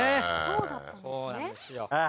そうなんですよ。